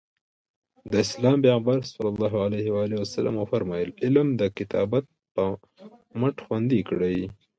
د اسلام پیغمبر ص وفرمایل علم د کتابت په مټ خوندي کړئ.